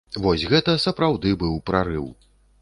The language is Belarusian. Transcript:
Вось гэта сапраўды быў прарыў.